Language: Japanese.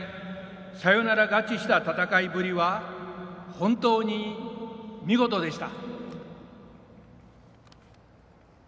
サヨナラ勝ちした戦いぶりは本当に見事でした。